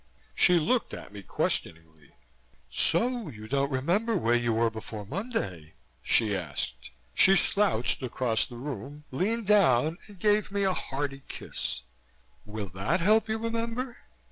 She looked at me questioningly. "So you don't remember where you were before Monday?" she asked. She slouched across the room, leaned down and gave me a hearty kiss. "Will that help you remember?